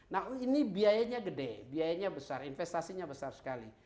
nah ini biayanya gede biayanya besar investasinya besar sekali